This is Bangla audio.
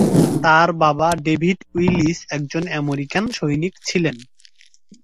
তারা বাবা ডেভিড উইলিস একজন আমেরিকান সৈনিক ছিলেন।